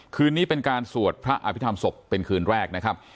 คืนนี้เป็นการสวดพระอภิษฐรรมศพเป็นคืนแรกนะครับ